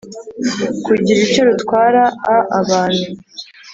kugira icyo rutwara a abantu